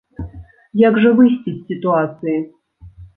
Як жа выйсці з сітуацыі?